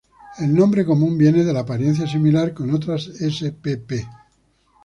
El nombre común viene de la apariencia similar con otras spp.